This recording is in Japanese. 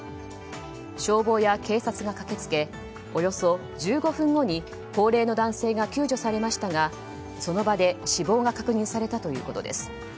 消防や警察が駆けつけおよそ１５分後に高齢の男性が救助されましたがその場で死亡が確認されたということです。